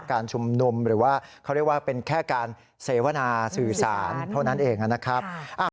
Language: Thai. การชุมนุมหรือว่าเขาเรียกว่าเป็นแค่การเสวนาสื่อสารเท่านั้นเองนะครับ